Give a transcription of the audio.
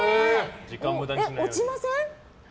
落ちません？